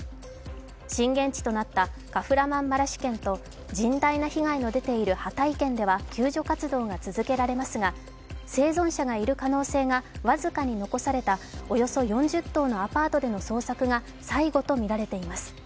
震源地となったカフラマンマラシュ県と甚大な被害の出ているハタイ県では救助活動が続けられますが生存者がいる可能性が僅かに残されたおよそ４０棟のアパートでの捜索が最後とみられています。